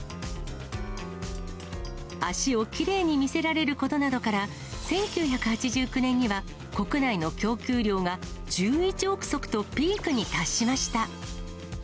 脚をきれいに見せられることなどから、１９８９年には、国内の供給量が１１億足とピークに達しました。